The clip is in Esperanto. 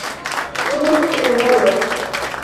Sur tremolon!